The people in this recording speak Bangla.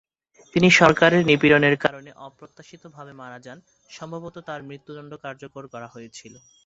তিনি সরকারের নিপীড়নের কারণে অপ্রত্যাশিতভাবে মারা যান, সম্ভবত তার মৃত্যুদন্ড কার্যকর করা হয়েছিল।